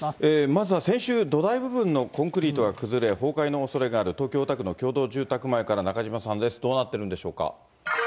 まずは先週、土台部分のコンクリートが崩れ、崩壊のおそれがある東京・大田区の共同住宅前から中島さんです。